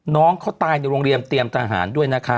น้องเขาตายในโรงเรียนเตรียมทหารด้วยนะคะ